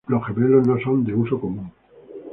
Los gemelos no son de uso común.